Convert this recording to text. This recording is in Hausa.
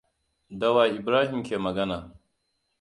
Da wa Ibrahim yake magana?